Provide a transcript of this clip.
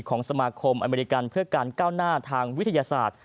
ของสมาคมอเมริกันเพื่อการก้าวหน้าทางวิทยาศาสตร์